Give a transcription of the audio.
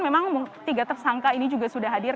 memang tiga tersangka ini juga sudah hadir